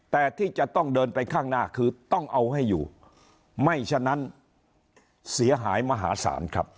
แต่ที่จะต้องเดินไปข้างหน้าคือต้องเอาให้อยู่ไม่ฉะนั้นเสียหายมหาศาลครับ